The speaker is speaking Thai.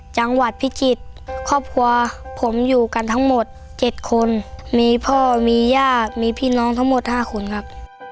จังหวัดพิจิตรครอบครัวผมอยู่กันทั้งหมด๗คนมีพ่อมีญาติมีพี่น้องทั้งหมด๕คนครับ